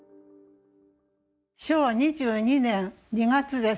昭和２２年２月です。